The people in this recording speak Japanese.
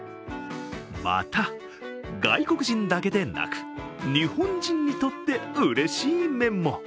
また、外国人だけでなく日本人にとってうれしい面も。